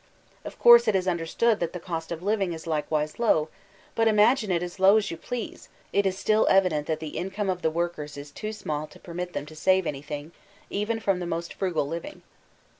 Of course, it is under stood that the cost of living is likewise low ; but imagine it as low as you please, it is still evident that the income of the workers is too small to permit them to save anything, even from the most frugal living.